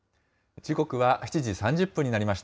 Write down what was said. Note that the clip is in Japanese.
時刻は７時３０分になりました。